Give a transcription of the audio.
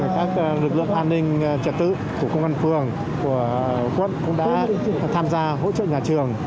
các lực lượng an ninh trật tự của công an phường của quận cũng đã tham gia hỗ trợ nhà trường